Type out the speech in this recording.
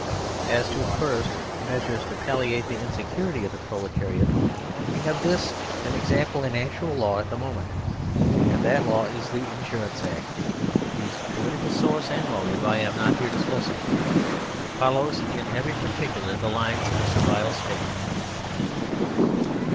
As to the first: Measures to palliate the insecurity of the proletariat. We have of this an example in actual law at this moment. And that law the Insurance Act (whose political source and motive I am not here discussing) follows in every particular the lines of a Servile State.